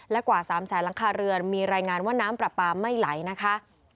และกว่า๓แสนหลังคาเรือนมีรายงานว่าน้ำปลาปลาไม่ไหลนะคะ